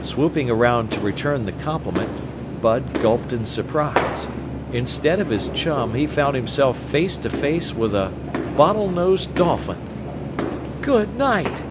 Swooping around to return the compliment, Bud gulped in surprise. Instead of his chum, he found himself face to face with a bottle nosed dolphin! "Good night!"